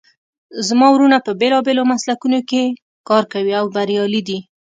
زما وروڼه په بیلابیلو مسلکونو کې کار کوي او بریالي دي